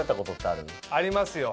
ありますよ！